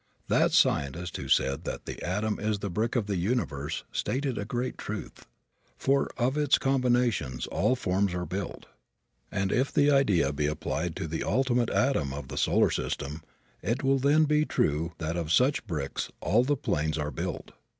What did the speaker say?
That scientist who said that the atom is the brick of the universe stated a great truth, for of its combinations all forms are built; and if the idea be applied to the ultimate atom of the solar system it will then be true that of such "bricks" all the planes are built.